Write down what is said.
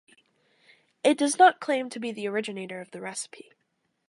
It does not claim to be the originator of the recipe.